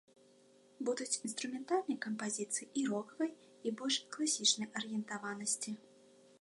Будуць інструментальныя кампазіцыі і рокавай, і больш класічнай арыентаванасці.